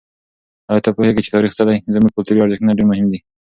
آیا ته پوهېږې چې تاریخ څه دی؟ زموږ کلتوري ارزښتونه ډېر مهم دي.